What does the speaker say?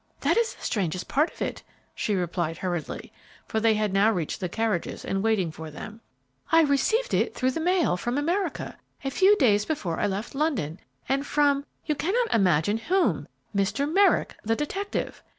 "That is the strangest part of it," she replied, hurriedly, for they had now reached the carriages in waiting for them. "I received it through the mail, from America, a few days before I left London, and from you cannot imagine whom Mr. Merrick, the detective.